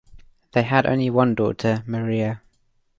They had only one daughter, Maria.